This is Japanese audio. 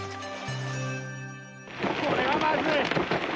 これはまずい。